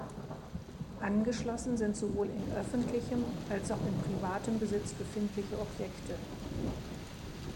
Angeschlossen sind sowohl in öffentlichem, als auch in privatem Besitz befindliche Objekte.